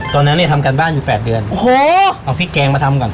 ตอนนั้นเนี่ยทำการบ้านอยู่แปดเดือนโอ้โหเอาพริกแกงมาทำก่อน